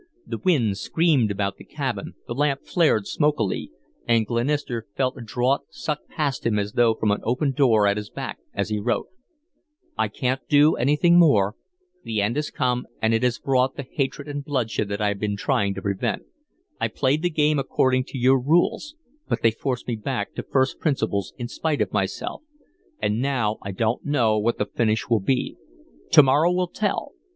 The wind screamed about the cabin, the lamp flared smokily, and Glenister felt a draught suck past him as though from an open door at his back as he wrote: "I can't do anything more. The end has come and it has brought the hatred and bloodshed that I have been trying to prevent. I played the game according to your rules, but they forced me back to first principles in spite of myself, and now I don't know what the finish will be. To morrow will tell.